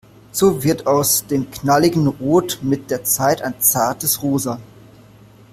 So wird aus dem knalligen Rot mit der Zeit ein zartes Rosa.